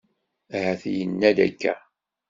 Ahat yenna-d akka.